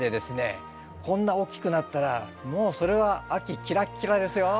こんな大きくなったらもうそれは秋キラッキラッですよ。